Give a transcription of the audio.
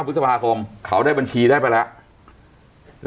พฤษภาคมเขาได้บัญชีได้ไปแล้ว